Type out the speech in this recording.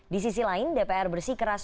di sisi lain dpr bersikeras